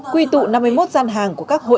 quy tụ năm mươi một gian hàng của các hội